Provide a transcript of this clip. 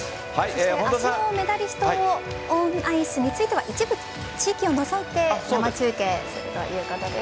明日のメダリストオンアイスについては一部地域を除いて生中継ということです。